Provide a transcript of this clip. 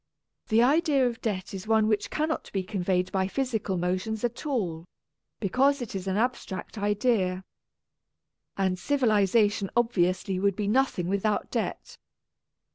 The idea of debt is one which cannot be conveyed by physical motions at all, because it is an abstract idea. And civi lization obviously would be nothing without debt.